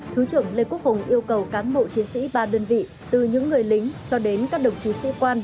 thứ trưởng lê quốc hùng yêu cầu cán bộ chiến sĩ ba đơn vị từ những người lính cho đến các đồng chí sĩ quan